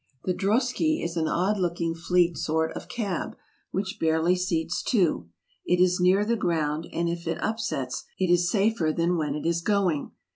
The drosky is an odd looking fleet sort of cab, which barely seats two. It is near the ground, and if it upsets, it is safer than when it is going.